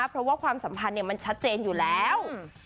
เพราะว่าความสัมพันธ์มันชัดเจนอยู่แล้ว